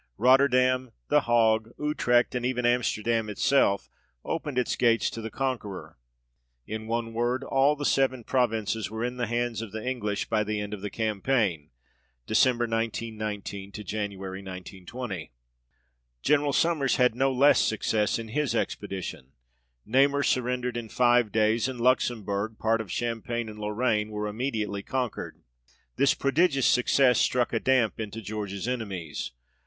Rotterdam, the Hague, Utrecht, and even Amsterdam itself, opened its gates to the con queror. In one word, all the Seven Provinces were in the hands of the English by the end of the campaign (Dec., igiQ Jan., 1920). General Sommers had no less success in his expedition ; Namur surrendered in five days, and Luxemburg, part of Champagne, and Lorraine, were immediately conquered. This prodigious success, struck a damp into George's enemies.